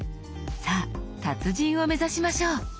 さぁ達人を目指しましょう。